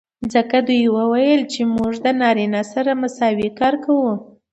ځکه دوي وويل چې موږ د نارينه سره مساوي کار کو.